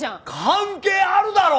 関係あるだろう！